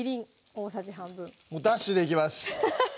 大さじ半分もうダッシュでいきます